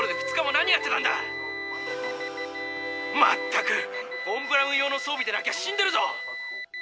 まったくフォン・ブラウン用の装備でなきゃ死んでるぞ！